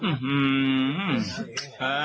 อื้อฮือ